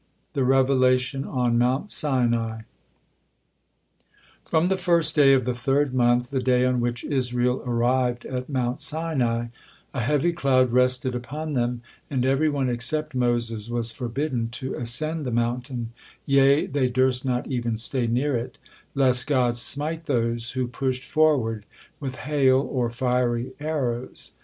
THE REVELATION ON MOUNT SINAI From the first day of the third month, the day on which Israel arrived at Mount Sinai, a heavy cloud rested upon them, and every one except Moses was forbidden to ascend the mountain, yea, they durst not even stay near it, lest God smite those who pushed forward, with hail or fiery arrows.